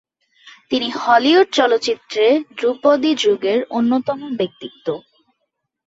তিনি হলিউড চলচ্চিত্রের ধ্রুপদী যুগের অন্যতম ব্যক্তিত্ব।